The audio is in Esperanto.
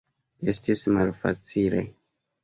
Estis malfacile.